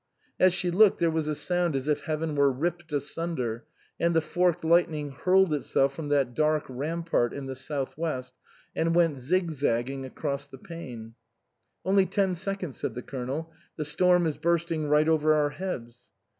As she looked, there was a sound as if heaven were ripped asunder, and the forked lightning hurled itself from that dark rampart in the south west and went zig zagging against the pane. " Only ten seconds," said the Colonel ;" the storm is bursting right over our heads."